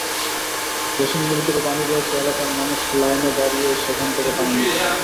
যেসব নলকূপে পানি রয়েছে, এলাকার মানুষ লাইনে দাঁড়িয়ে সেখান থেকে পানি নিচ্ছে।